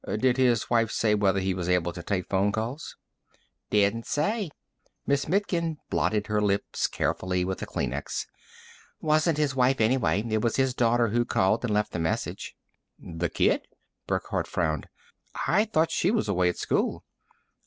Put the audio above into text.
Did his wife say whether he was able to take phone calls?" "Didn't say." Miss Mitkin blotted her lips carefully with a Kleenex. "Wasn't his wife, anyway. It was his daughter who called and left the message." "The kid?" Burckhardt frowned. "I thought she was away at school."